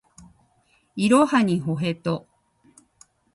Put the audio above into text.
いろはにほへと